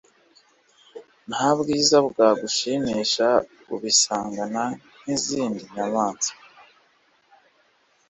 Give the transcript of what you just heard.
nta bwiza bwagushimisha ubisangana nk'izindi nyamaswa